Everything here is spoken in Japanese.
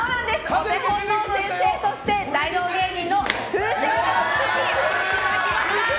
お手本の先生として大道芸人の風船太郎さんに来ていただきました。